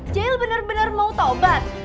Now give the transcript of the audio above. jail bener bener mau taubat